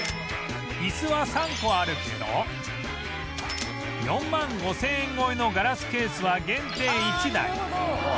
イスは３個あるけど４万５０００円超えのガラスケースは限定１台